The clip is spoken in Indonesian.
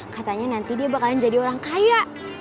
katanya nanti dia bakalan jadi orang kaya